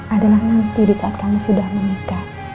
adalah nanti disaat kamu sudah menikah